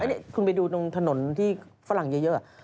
นี่คุณไปดูตรงถนนที่ฝรั่งเยอะ